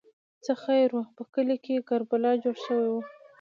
ـ څه خیر وو، په کلي کې کربلا جوړه شوه.